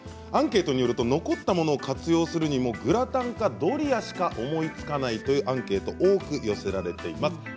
アンケートによると残ったものを活用するにもグラタンかドリアしか思いつかないというアンケート多く寄せられています。